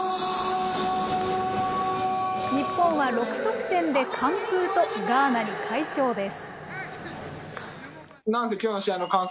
日本は６得点で完封と、ガーナに快勝です。